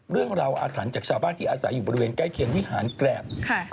อาถรรพ์จากชาวบ้านที่อาศัยอยู่บริเวณใกล้เคียงวิหารแกรบ